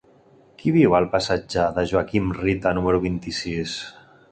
Qui viu al passatge de Joaquim Rita número vint-i-sis?